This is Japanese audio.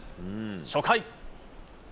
初回。